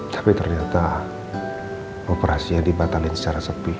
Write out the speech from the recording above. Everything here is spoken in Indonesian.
tapi ternyata operasinya dibatalin secara sepi